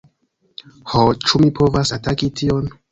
Ho, ĉu mi povas ataki tion?